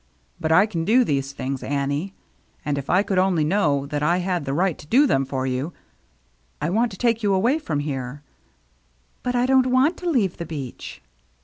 But I can do these things, Annie. And if I could only 176 THE MERRT ANNE know that I had the right to do them for you — I want to take you away from here." " But I don't want to leave the beach."